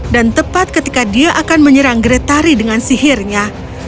dan tepat ketika dia akan menyerang gretari dengan sihirnya